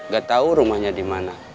gak tahu rumahnya dimana